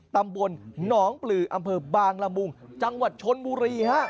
ตำบลหนองปลืออำเภอบางละมุงจังหวัดชนบุรีฮะ